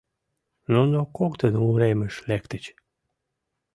Нуно коктын уремыш лектыч.